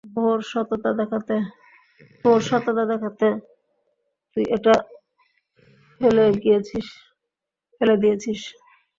তোর সততা দেখাতে, তুই এটা ফেলে দিয়েছিস।